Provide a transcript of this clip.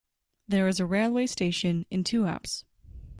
There is a railway station in Tuapse.